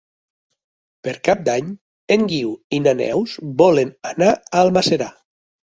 Per Cap d'Any en Guiu i na Neus volen anar a Almàssera.